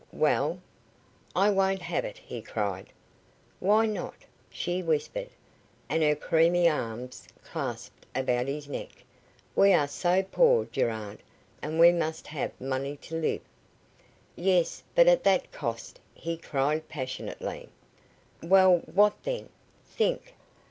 "Well?" "I won't have it," he cried. "Why not?" she whispered, and her creamy arms clasped about his neck. "We are so poor, Gerard, and we must have money to live." "Yes, but at that cost," he cried, passionately. "Well, what then? Think!